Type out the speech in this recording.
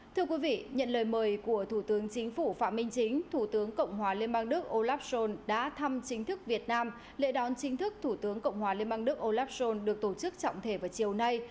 thưa quý vị nhận lời mời của thủ tướng chính phủ phạm minh chính thủ tướng cộng hòa liên bang đức olaf schol đã thăm chính thức việt nam lễ đón chính thức thủ tướng cộng hòa liên bang đức olaf scholz được tổ chức trọng thể vào chiều nay